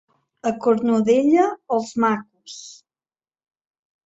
A Cornudella, els macos.